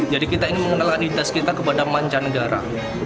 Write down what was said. jadi kita ingin mengenalkan identitas kita kepada manca negara